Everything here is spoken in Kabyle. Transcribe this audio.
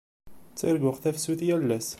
Ttarguɣ tafsut yal ass.